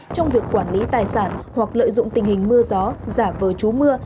trong việc quản lý tài sản hoặc lợi dụng tình hình mưa gió giả vờ chú mưa